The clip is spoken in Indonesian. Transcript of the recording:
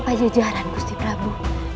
pada jajaran gusti prabu